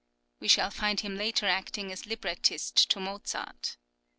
"[10029] We shall find him later acting as librettist to Mozart.